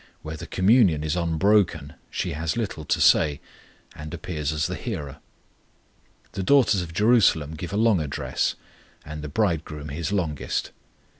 where the communion is unbroken, she has little to say, and appears as the hearer; the daughters of Jerusalem give a long address, and the Bridegroom His longest.